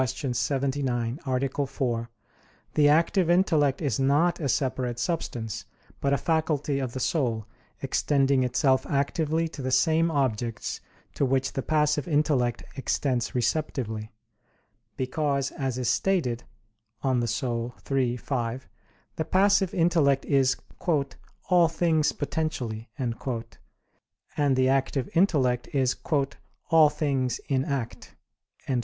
79, A. 4), the active intellect is not a separate substance; but a faculty of the soul, extending itself actively to the same objects to which the passive intellect extends receptively; because, as is stated (De Anima iii, 5), the passive intellect is "all things potentially," and the active intellect is "all things in act."